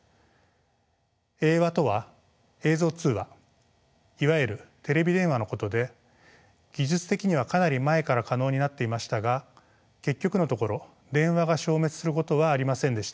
映話とは映像通話いわゆるテレビ電話のことで技術的にはかなり前から可能になっていましたが結局のところ電話が消滅することはありませんでした。